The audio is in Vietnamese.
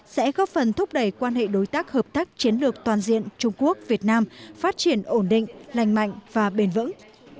sẽ góp phần thúc đẩy quan hệ đối tác hợp tác chiến lược toàn diện trung quốc việt nam phát triển ổn định lành mạnh và bền vững